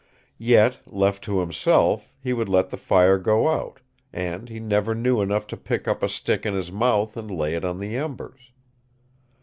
Yet, left to himself, he would let the fire go out, and he never knew enough to pick up a stick in his mouth and lay it on the embers.